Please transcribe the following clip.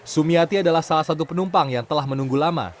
sumiati adalah salah satu penumpang yang telah menunggu lama